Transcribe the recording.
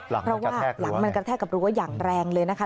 เพราะว่าหลังมันกระแทกกับรั้วอย่างแรงเลยนะคะ